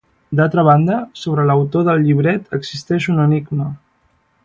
D'altra banda, sobre l'autor del llibret existeix un enigma.